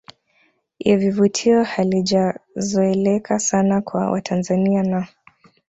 ya vivutio halijazoeleka sana kwa Watanzania na